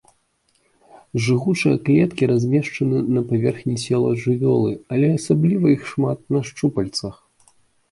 Жыгучыя клеткі размешчаны на паверхні цела жывёлы, але асабліва іх шмат на шчупальцах.